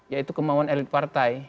yaitu kemauan elit partai